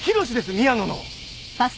宮野の。